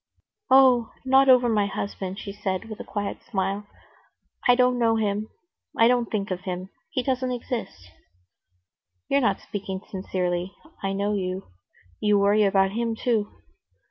"Oh, not over my husband," she said, with a quiet smile. "I don't know him, I don't think of him. He doesn't exist." "You're not speaking sincerely. I know you. You worry about him too."